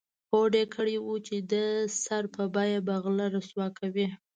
هوډ یې کړی و چې د سر په بیه به غله رسوا کوي.